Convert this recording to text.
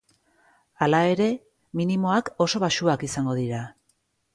Hala ere, minimoak oso baxuak izango dira.